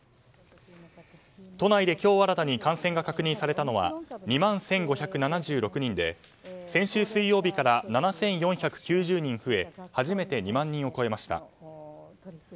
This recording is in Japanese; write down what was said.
都内で今日新たに感染が確認されたのは２万１５７６人で先週水曜日から７４１９人増え初めて２万人を超えました。